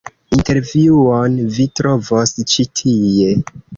Intervjuon vi trovos ĉi tie.